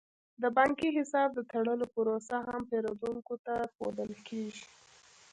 د بانکي حساب د تړلو پروسه هم پیرودونکو ته ښودل کیږي.